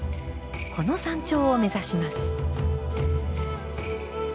この山頂を目指します。